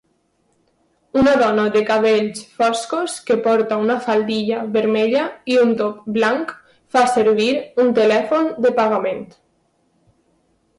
Una dona de cabells foscos que porta una faldilla vermella i un top blanc fa servir un telèfon de pagament.